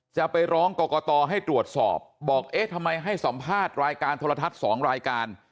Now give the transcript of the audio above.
จะไปร้องกรกตให้ตรวจสอบบอกเอ๊ะทำไมให้สัมภาษณ์รายการโทรทัศน์๒รายการ